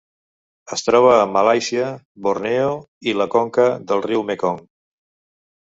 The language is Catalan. Es troba a Malàisia, Borneo i la conca del riu Mekong.